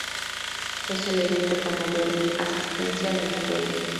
Es el evento con mayor asistencia en la historia.